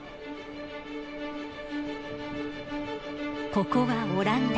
ここはオランダ。